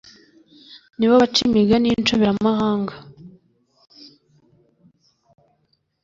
ni bo baca imigani y’inshoberamahanga.